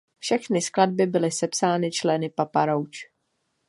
Všechny skladby byly sepsány členy Papa Roach.